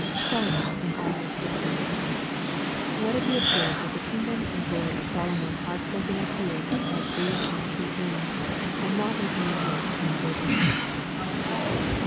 [SoloTTwn in aU his glory.] Let it be observed that the kingdom and glory of Solomon are spoken of here as real and true things, and not as mere myths and fables.